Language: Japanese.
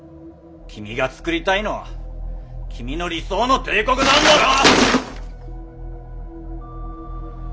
君が創りたいのは君の理想の帝国なんだろ！